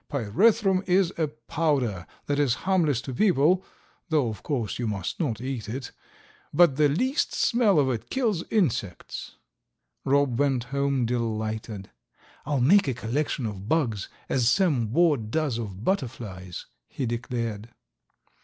Pyrethrum is a powder that is harmless to people (though of course you must not eat it), but the least smell of it kills insects." Rob went home delighted. "I'll make a collection of bugs, as Sam Ward does of butterflies," he declared.